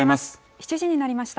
７時になりました。